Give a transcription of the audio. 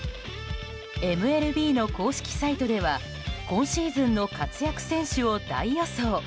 ＭＬＢの公式サイトでは今シーズンの活躍選手を大予想。